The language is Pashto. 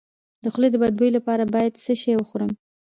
د خولې د بد بوی لپاره باید څه شی وخورم؟